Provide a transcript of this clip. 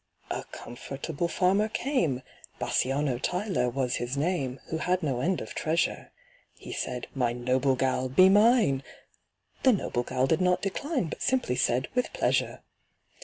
A comfortable farmer came (BASSANIO TYLER was his name), Who had no end of treasure. He said, "My noble gal, be mine!" The noble gal did not decline, But simply said, "With pleasure."